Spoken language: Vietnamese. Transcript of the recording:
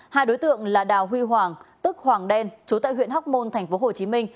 hai đối tượng là đào huy hoàng tức hoàng đen chú tại huyện hóc môn tp hcm